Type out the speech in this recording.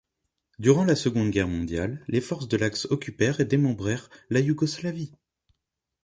Durant la Seconde Guerre mondiale, les forces de l'Axe occupèrent et démembrèrent la Yougoslavie.